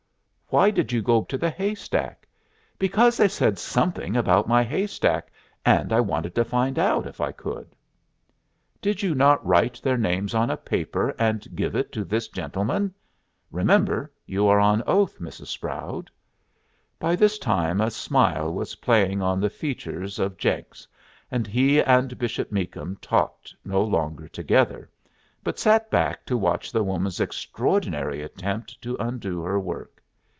"Why did you go to the hay stack?" "Because they said something about my hay stack, and I wanted to find out, if I could." "Did you not write their names on a paper and give it to this gentleman? Remember you are on oath, Mrs. Sproud." By this time a smile was playing on the features of Jenks, and he and Bishop Meakum talked no longer together, but sat back to watch the woman's extraordinary attempt to undo her work.